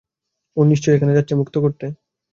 ও নিশ্চয়ই ওখানে যাচ্ছে ওকে মুক্ত করতে।